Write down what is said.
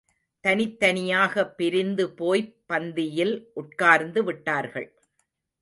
தனித்தனியாக பிரிந்து போய்ப் பந்தியில் உட்கார்ந்து விட்டார்கள்.